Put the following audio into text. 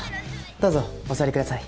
どうぞお座りください。